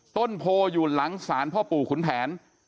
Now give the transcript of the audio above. ต้นโพอยู่หลังศาลพ่อปู่ขุนแผน